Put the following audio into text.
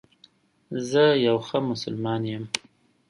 زه یو ښه مسلمان یم